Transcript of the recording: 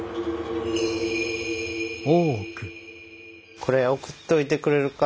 これ送っといてくれるか？